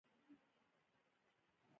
وسایل انرژي مصرفوي.